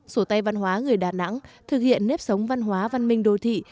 sổ tay văn hóa người đà nẵng thực hiện nếp sống văn hóa văn minh đô thị